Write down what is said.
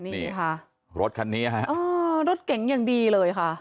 นี่ค่ะรถคันนี้ฮะอ๋อรถเก๋งอย่างดีเลยค่ะ